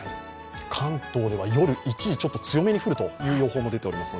関東では夜、一時ちょっと強めに降るという予報も出ています。